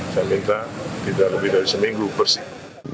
saya minta tidak lebih dari seminggu bersih